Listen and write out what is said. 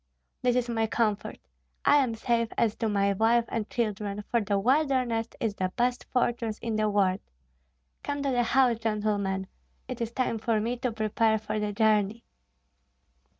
This is my comfort: I am safe as to my wife and children, for the wilderness is the best fortress in the world. Come to the house, gentlemen; it is time for me to prepare for the journey."